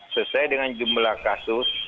sesuai dengan jumlah kasus